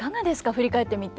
振り返ってみて。